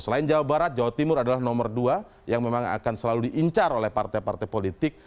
selain jawa barat jawa timur adalah nomor dua yang memang akan selalu diincar oleh partai partai politik